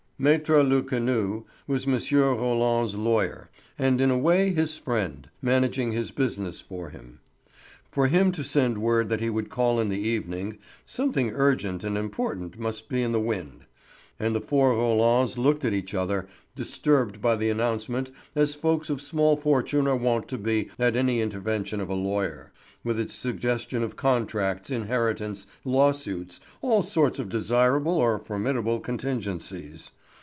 Maître Lecanu was M. Roland's lawyer, and in a way his friend, managing his business for him. For him to send word that he would call in the evening, something urgent and important must be in the wind; and the four Rolands looked at each other, disturbed by the announcement as folks of small fortune are wont to be at any intervention of a lawyer, with its suggestions of contracts, inheritance, lawsuits—all sorts of desirable or formidable contingencies.